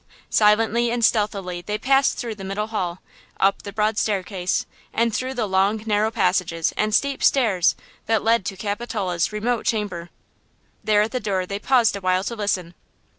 Silently and stealthily they passed through the middle hall, up the broad staircase, and through the long, narrow passages and steep stairs that led to Capitola's remote chamber. There at the door they paused awhile to listen.